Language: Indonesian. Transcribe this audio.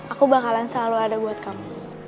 aku bakalan selalu ada buat kamu